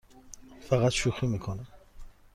فقط شوخی می کنم.